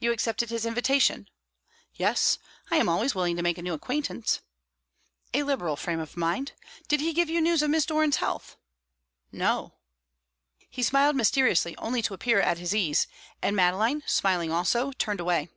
"You accepted his invitation?" "Yes; I am always willing to make a new acquaintance." "A liberal frame of mind. Did he give you news of Miss Doran's health?" "No." He smiled mysteriously, only to appear at his ease; and Madeline, smiling also, turned away.